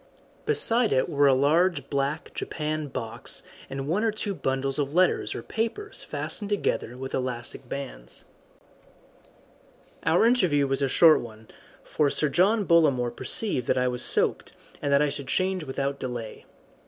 Beside it were a large black japanned box and one or two bundles of letters or papers fastened together with elastic bands. Our interview was a short one, for Sir John Bollamore perceived that I was soaked, and that I should change without delay.